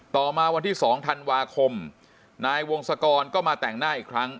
ต่อมาวันที่๒ธันวาคมนายวงศกรก็มาแต่งหน้าอีกครั้ง